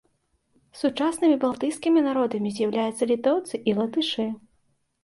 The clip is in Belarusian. Сучаснымі балтыйскімі народамі з'яўляюцца літоўцы і латышы.